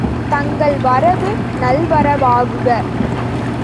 தங்கள் வரவு நல்வரவாகுக!